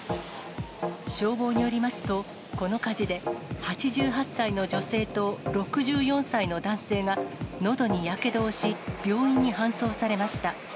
消防によりますと、この火事で８８歳の女性と、６４歳の男性がのどにやけどをし、病院に搬送されました。